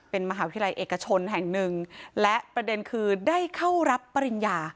เป็นมหาวิทยาลัยเอกชนแห่งหนึ่งและประเด็นคือได้เข้ารับปริญญา